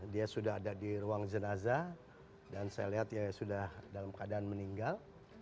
dia sudah ada di ruang jenazah dan saya lihat ya sudah dalam keadaan meninggal